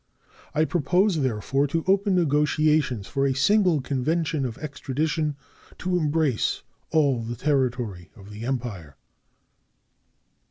I propose, therefore, to open negotiations for a single convention of extradition to embrace all the territory of the Empire.